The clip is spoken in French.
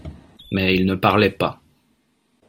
Mais il ne parlait pas.